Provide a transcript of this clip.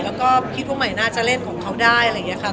แล้วก็คิดว่าใหม่น่าจะเล่นของเขาได้อะไรอย่างนี้ค่ะ